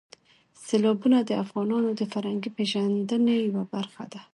سیلابونه د افغانانو د فرهنګي پیژندنې یوه برخه ده.